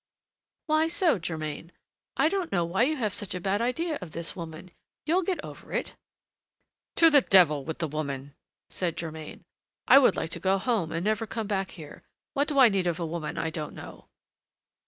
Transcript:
"Why so, Germain? I don't know why you have such a bad idea of this woman; you'll get over it!" "To the devil with the woman!" said Germain. "I would like to go home and never come back here. What do I need of a woman I don't know!"